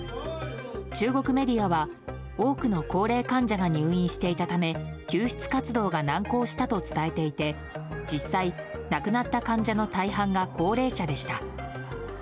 中国メディアは多くの高齢患者が入院していたため救出活動が難航したと伝えていて実際、亡くなった患者の大半が高齢者でした。